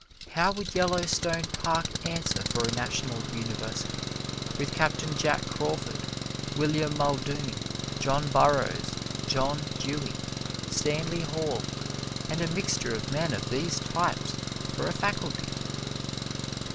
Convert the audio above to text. How would Yellowstone Park answer for a National University, with Captain Jack Crawford, William Muldoon, John Burroughs, John Dewey, Stanley Hall and a mixture of men of these types, for a faculty?